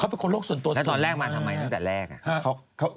เป็นคนโลกส่วนตัวซะตอนแรกมาทำไมตั้งแต่แรก